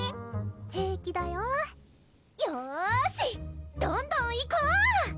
平気だよよしどんどん行こう！